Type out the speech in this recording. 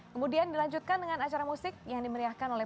kemudian dilanjutkan dengan acara musik yang dimeriahkan oleh